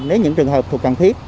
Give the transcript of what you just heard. nếu những trường hợp thuộc cần thiết